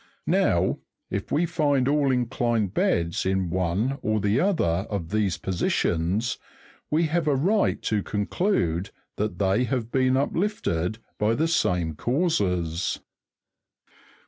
Now, if we find all inclined beds in one or the other of these positions, we have a right to conclude they have been uplifted by the same causes.